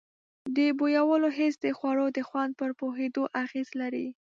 د بویولو حس د خوړو د خوند پر پوهېدو اغیز لري.